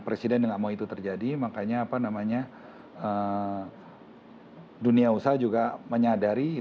presiden tidak mau itu terjadi dunia usaha juga menyadari